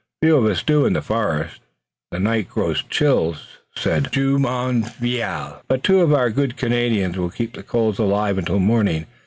"Few of us do in the forest. The night grows chill, but two of our good Canadians will keep the coals alive until morning.